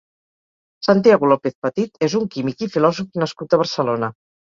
Santiago López Petit és un químic i filòsof nascut a Barcelona.